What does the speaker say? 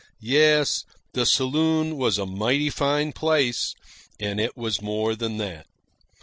Yes, the saloon was a mighty fine place, and it was more than that.